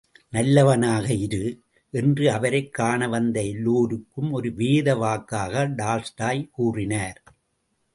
நல்லவனாக இரு, என்று அவரைக் காணவந்த எல்லாருக்கும் ஒரு வேத வாக்காக டால்ஸ்டாய் கூறினார்!